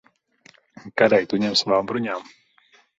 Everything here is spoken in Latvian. Kareivji to ņem savām bruņām.